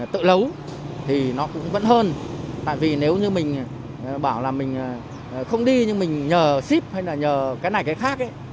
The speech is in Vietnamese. tại vì nếu như mình bảo là mình không đi nhưng mình nhờ ship hay là nhờ cái này cái khác ấy